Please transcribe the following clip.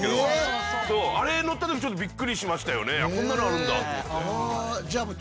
こんなのあるんだと思って。